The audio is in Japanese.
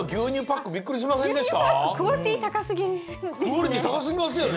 クオリティーたかすぎますよね。